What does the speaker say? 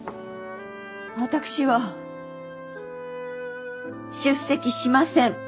私は出席しません。